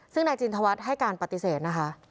ซึ่งนายจินทวัฒน์ให้การปฏิเสธนะคะ